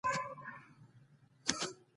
هغه پاچا د کتاب غلطیو ته متوجه شو.